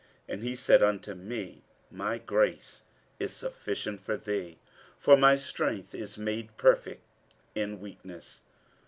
47:012:009 And he said unto me, My grace is sufficient for thee: for my strength is made perfect in weakness.